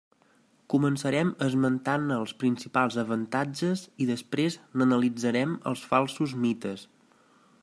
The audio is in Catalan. Començarem esmentant-ne els principals avantatges i després n'analitzarem els falsos mites.